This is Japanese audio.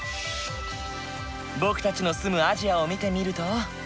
僕たちの住むアジアを見てみると。